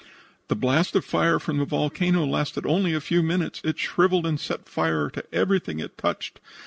"The blast of fire from the volcano lasted only a few minutes. It shriveled and set fire to everything it touched.